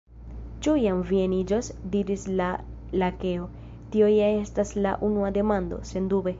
"Ĉu iam vi eniĝos?" diris la Lakeo. "Tio ja estas la unua demando. Sendube! "